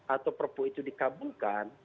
atau perpu itu dikabulkan